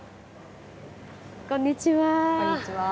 こんにちは。